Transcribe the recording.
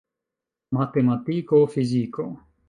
Matematiko, fiziko.